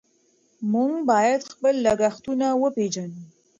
موږ باید خپل لګښتونه وپېژنو.